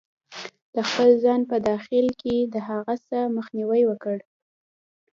-د خپل ځان په داخل کې د هغه څه مخنیوی وکړئ